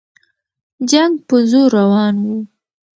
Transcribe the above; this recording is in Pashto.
جنګ په زور روان وو.